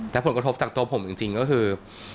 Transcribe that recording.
แต่ผลกระทบจากตัวผมจริงก็คือ